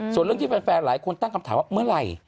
ส่วนเรื่องที่แฟนหลายคนตั้งคำถามว่าเมื่อไหร่